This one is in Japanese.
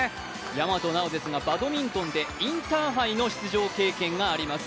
大和奈央ですがバドミントンでインターハイの出場経験があります。